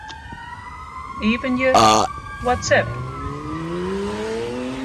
Iepenje WhatsApp.